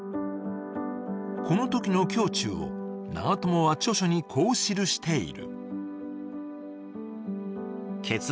このときの胸中を長友は著書にこう記している。